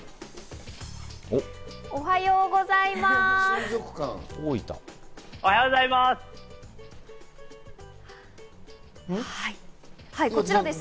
おはようございます。